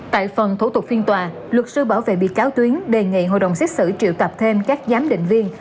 tại phần thủ tục phiên tòa luật sư bảo vệ bị cáo tuyến đề nghị hội đồng xét xử triệu tập thêm các giám định viên